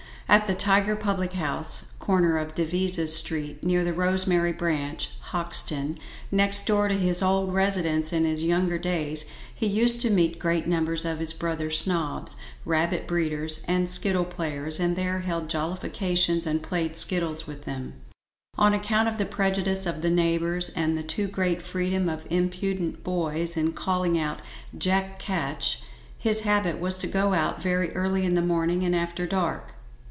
At the Tiger public house, corner of Devizes Street, near the Rosemary Branch, Hoxton, next door to his old residence in his younger days, he used to meet great numbers of his brother snobs, rabbit breeders, and skittle players, and there held jollifications and played skittles with them. On account of the prejudice of the neighbours, and the too great freedom of impudent boys in calling out "Jack Ketch," his habit was to go out very early in the morning and after dark.